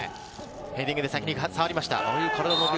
ヘディングでさきに触りました。